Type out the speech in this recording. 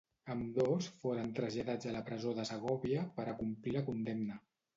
Ambdós foren traslladats a la presó de Segòvia per a complir la condemna.